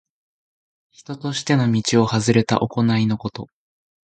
人としての道をはずれた行いのこと。